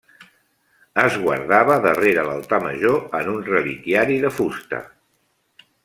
Es guardava darrere l'altar major en un reliquiari de fusta.